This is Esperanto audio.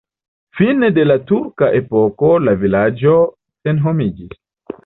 Fine de la turka epoko la vilaĝo senhomiĝis.